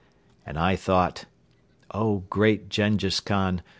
And I thought: "Oh, Great Jenghiz Khan!